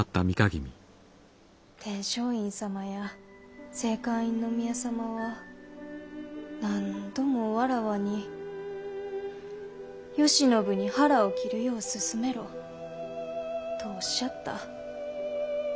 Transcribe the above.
天璋院様や静寛院宮様は何度も妾に「慶喜に腹を切るよう勧めろ」とおっしゃった。